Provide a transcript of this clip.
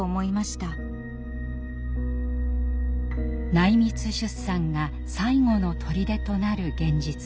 内密出産が最後のとりでとなる現実。